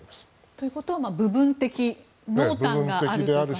ということは部分的、濃淡があると。